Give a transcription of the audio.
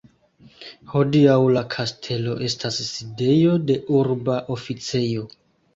Hodiaŭ la kastelo estas sidejo de urba oficejo.